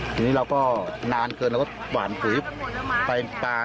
ทีนี้เราก็นานเกินเราก็หวานปุ๋ยไฟปลา